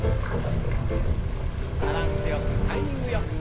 バランスよくタイミングよく。